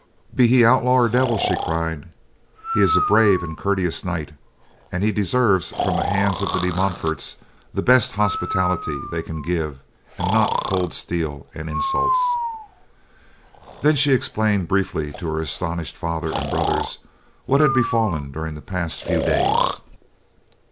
"Be he outlaw or devil," she cried, "he is a brave and courteous knight, and he deserves from the hands of the De Montforts the best hospitality they can give, and not cold steel and insults." Then she explained briefly to her astonished father and brothers what had befallen during the past few days.